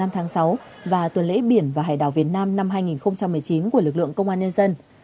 ba tháng sáu và tuần lễ biển và hải đảo việt nam năm hai nghìn một mươi chín của lực lượng công an nhân dân